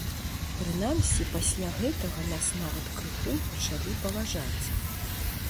Прынамсі пасля гэтага нас нават крыху пачалі паважаць.